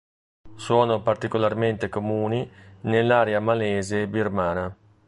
Sono particolarmente comuni nell'area malese e birmana.